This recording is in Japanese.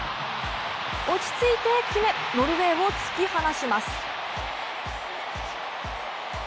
落ち着いて決め、ノルウェーをつきはなします。